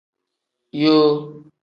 Yoo.